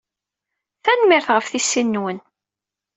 Tanemmirt ɣef tisin-nwen.